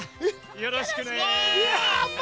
よろしくね。